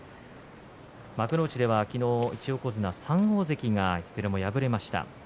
幕内では昨日、１横綱３大関がいずれも敗れました。